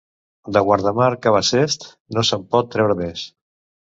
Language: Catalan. De Guardamar, cabassets: no se'n pot treure més.